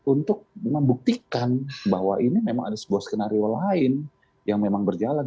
untuk membuktikan bahwa ini memang ada sebuah skenario lain yang memang berjalan